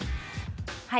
はい。